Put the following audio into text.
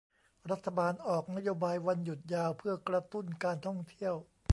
รัฐบาลออกนโยบายวันหยุดยาวเพื่อกระตุ้นการท่องเที่ยว